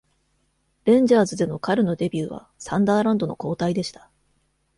レンジャーズでの彼のデビューはサンダーランドの交代でした。